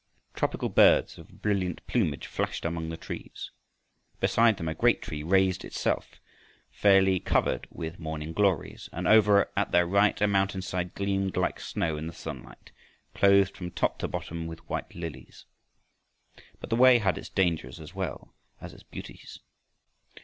Tropical birds of brilliant plumage flashed among the trees. Beside them a great tree raised itself, fairly covered with morning glories, and over at their right a mountainside gleamed like snow in the sunlight, clothed from top to bottom with white lilies. But the way had its dangers as well as its beauties.